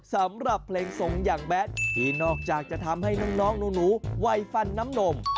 สำหรับเพลงที่นอกจากจะทำให้น้องหนูไวฟันน้ำหน่ม